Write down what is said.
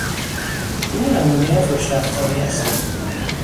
او نمونهی خوش رفتاری است.